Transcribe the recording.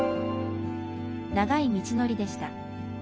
長い道のりでした。